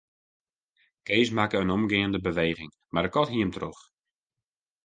Kees makke in omgeande beweging, mar de kat hie him troch.